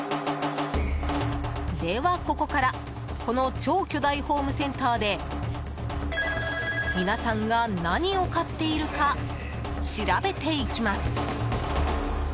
では、ここからこの超巨大ホームセンターで皆さんが何を買っているか調べていきます！